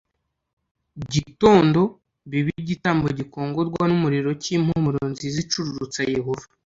gitondo bibe igitambo gikongorwa n umuriro cy impumuro nziza icururutsa yehova